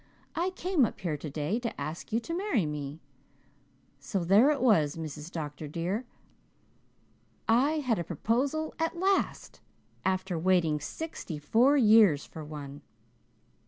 I came up here today to ask you to marry me.' So there it was, Mrs. Dr. dear. I had a proposal at last, after waiting sixty four years for one.